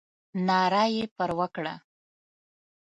ناره یې پر وکړه.